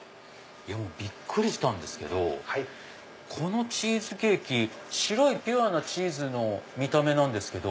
びっくりしたんですけどこのチーズケーキ白いピュアなチーズの見た目なんですけど。